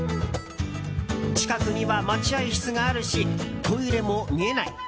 近くには待合室があるしトイレも見えない。